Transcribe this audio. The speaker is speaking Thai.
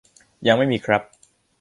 ยังไม่มีครับ